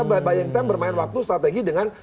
bayangin kita bermain waktu strategi dengan